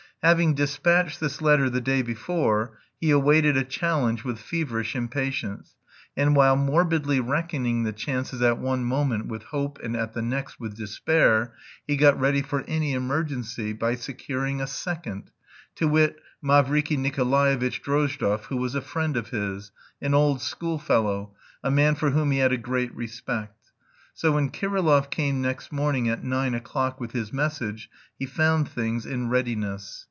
Having dispatched this letter the day before, he awaited a challenge with feverish impatience, and while morbidly reckoning the chances at one moment with hope and at the next with despair, he got ready for any emergency by securing a second, to wit, Mavriky Nikolaevitch Drozdov, who was a friend of his, an old schoolfellow, a man for whom he had a great respect. So when Kirillov came next morning at nine o'clock with his message he found things in readiness.